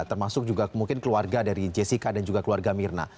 termasuk juga mungkin keluarga dari jessica dan juga keluarga mirna